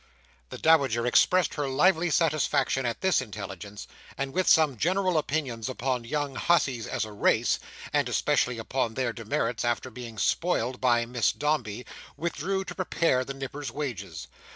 The Dowager expressed her lively satisfaction at this intelligence, and with some general opinions upon young hussies as a race, and especially upon their demerits after being spoiled by Miss Dombey, withdrew to prepare the Nipper's wages.